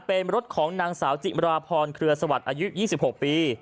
เป็นรถของนางสาวจิมราพรเครือสวัสดิ์อายุ๒๖ปี